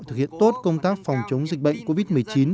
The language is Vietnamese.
thực hiện tốt công tác phòng chống dịch bệnh covid một mươi chín